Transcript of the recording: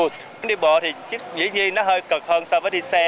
cách đi bộ thì dĩ nhiên nó hơi cực hơn so với đi xe